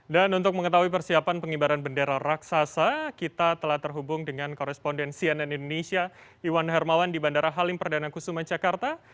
dan untuk mengetahui persiapan pengibaran bendera raksasa kita telah terhubung dengan koresponden cnn indonesia iwan hermawan di bandara halim perdana kusuma jakarta